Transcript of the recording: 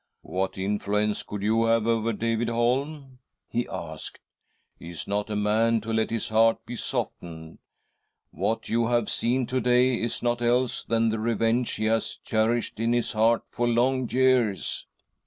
"What influence could you have over David Holm? " he asked. " He is not a man to let his heart be softened. What you have seen to day is ~\ nought else than the revenge he has .cherished in ^ his heart for long years."